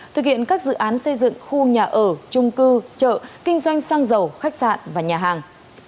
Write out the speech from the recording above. thực hiện các dự án xây dựng khu nhà ở trung cư chợ kinh doanh xăng dầu khách sạn và nhà hàng